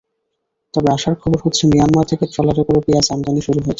তবে আশার খবর হচ্ছে, মিয়ানমার থেকে ট্রলারে করে পেঁয়াজ আমদানি শুরু হয়েছে।